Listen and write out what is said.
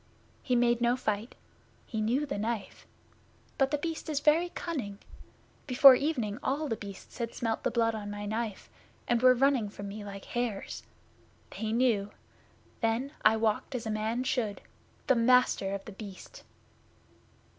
He made no fight. He knew the Knife! But The Beast is very cunning. Before evening all The Beasts had smelt the blood on my knife, and were running from me like hares. They knew! Then I walked as a man should the Master of The Beast!